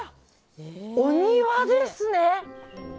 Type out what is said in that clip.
お庭ですね。